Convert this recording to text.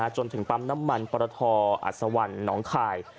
จนถึงปั๊มน้ำมันปรทอัศวรรณหนองคาย